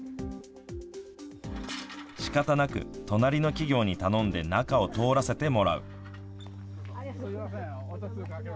しかたなく隣の企業に頼んで中を通らせてもらう。